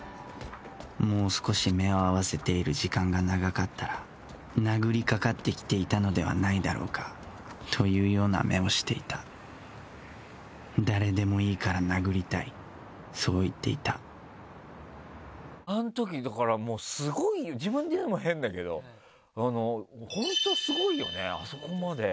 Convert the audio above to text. もう少し目を合わせている時間が長かったら殴りかかってきていたのではないだろうかというような目をしていた誰でもいいから殴りたいそういっていたあのときだからスゴい自分で言うのも変だけど本当スゴいよねあそこまで。